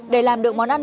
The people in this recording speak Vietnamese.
để làm được món ăn